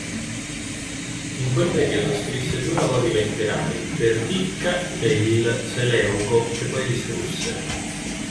In quel periodo scrisse due lavori letterari: "Perdicca" e il "Seleuco" che poi distrusse.